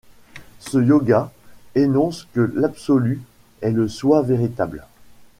Ce yoga énonce que l'absolu est le soi véritable.